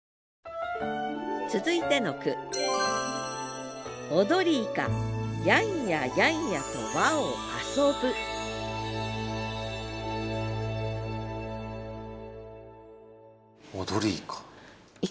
続いての句「踊りイカ」。